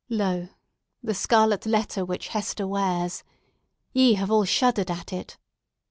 Lo, the scarlet letter which Hester wears! Ye have all shuddered at it!